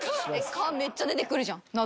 蚊めっちゃ出てくるじゃん夏。